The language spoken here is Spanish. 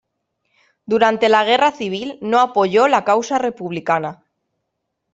Durante la Guerra Civil no apoyó la causa republicana.